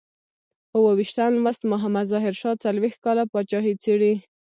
اوو ویشتم لوست محمد ظاهر شاه څلویښت کاله پاچاهي څېړي.